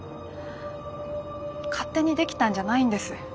勝手に出来たんじゃないんです。